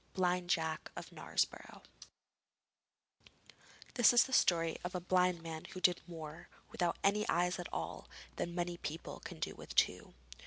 _] BLIND JACK OF KNARESBOROUGH This is the story of a blind man who did more, without any eyes at all, than many people can do with two.